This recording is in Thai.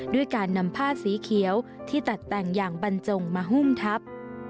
ด้วยการนำผ้าสีเขียวที่ตัดแต่งอย่างบรรจงมาหุ้มทับ